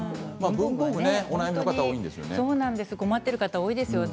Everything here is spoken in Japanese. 文房具、困っている方が多いですよね。